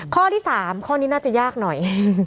ข้อที่๓ข้อนี้น่าจะยากหน่อย